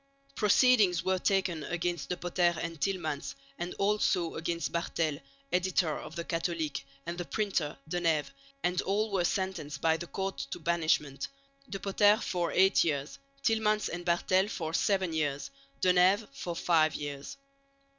Proceedings were taken against De Potter and Tielemans, and also against Barthels, editor of the Catholique, and the printer, De Nève, and all were sentenced by the court to banishment De Potter for eight years, Tielemans and Barthels for seven years, DeNève for five years.